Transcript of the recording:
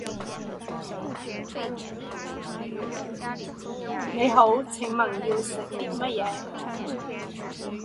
您好，请问要吃点什么？